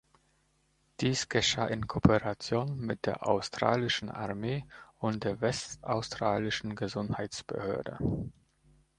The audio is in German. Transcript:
Dies geschah in Kooperation mit der Australischen Armee und der westaustralischen Gesundheitsbehörde.